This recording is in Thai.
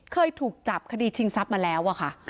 เคยถูกจับคดีชิงทรัพย์มาแล้วอะค่ะ